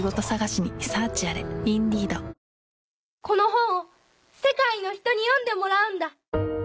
「この本を世界の人に読んでもらうんだ！」。